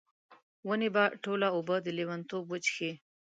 ونې به ټوله اوبه، د لیونتوب وچیښي